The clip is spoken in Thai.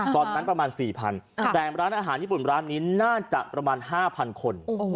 ประมาณ๔๐๐๐แต่ร้านอาหารญี่ปุ่นร้านนี้น่าจะประมาณ๕๐๐คน